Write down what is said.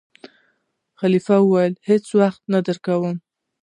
خلیفه وویل: هېڅ وخت نه درکووم.